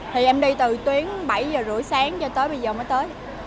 thì em đi từ tuyến bảy h ba mươi sáng cho tới bây giờ mới tới